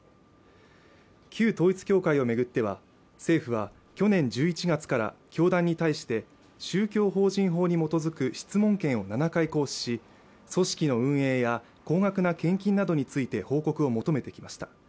旧統一教会を巡っては政府は去年１１月から教団に対して宗教法人法に基づく質問権を７回行使し組織の運営や高額な献金などについて報告を求めてきました